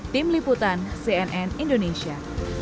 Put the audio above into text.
tim liputan cnn indonesia